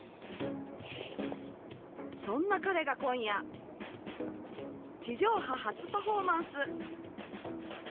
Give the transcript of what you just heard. そんな彼が今夜地上波初パフォーマンス。